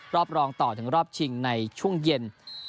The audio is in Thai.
รอบรองต่อถึงรอบชิงในช่วงเย็น